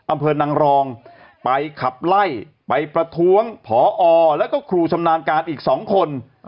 อำเภอนางรองไปขับไล่ไปประท้วงผอแล้วก็ครูชำนาญการอีก๒คน